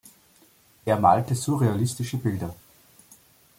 Er malte surrealistische Bilder.